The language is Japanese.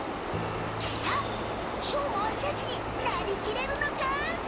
さっしょうまはシャチになりきれるのか？